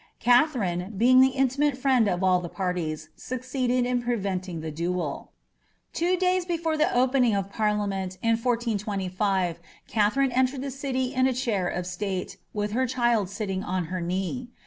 Katherine, being the intimate friend of all the parties, succeeded in preventing the duel' Two days before the opening of parliament in 14'i5, Katherine en tered the city in a chair of state, with her child sitting on her knee.